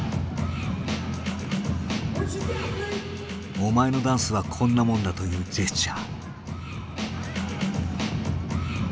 お前のダンスはこんなもんだというジェスチャー。